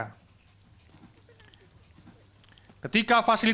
ketika fasilitas kesehatan tak lagi mumpuni